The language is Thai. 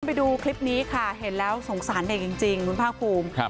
ไปดูคลิปนี้ค่ะเห็นแล้วสงสารเด็กจริงคุณภาคภูมิ